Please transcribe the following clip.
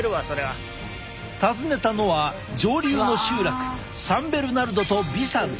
訪ねたのは上流の集落サン・ベルナルドとビサル。